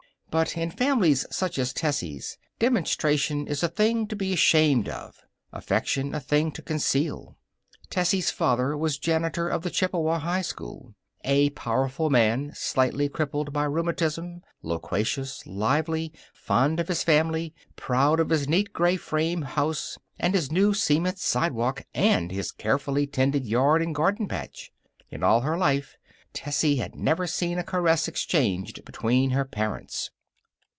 But in families such as Tessie's, demonstration is a thing to be ashamed of; affection a thing to conceal. Tessie's father was janitor of the Chippewa High School. A powerful man, slightly crippled by rheumatism, loquacious, lively, fond of his family, proud of his neat gray frame house and his new cement sidewalk and his carefully tended yard and garden patch. In all her life Tessie had never seen a caress exchanged between her parents.